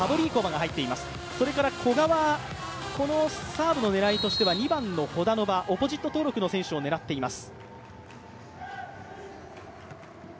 古賀はこのサーブの狙いとして、２番のホダノバ、オポジット登録の選手を狙っています。